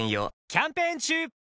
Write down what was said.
キャンペーン中！